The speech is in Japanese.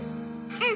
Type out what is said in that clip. うん！